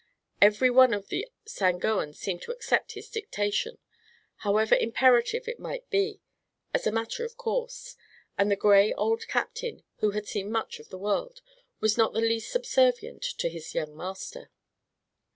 Everyone of the Sangoans seemed to accept his dictation, however imperative it might be, as a matter of course, and the gray old captain who had seen much of the world was not the least subservient to his young master.